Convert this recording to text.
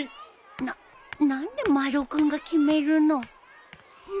な何で丸尾君が決めるの？ね。